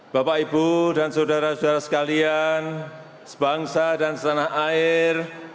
bapak ibu dan saudara saudara sekalian sebangsa dan setanah air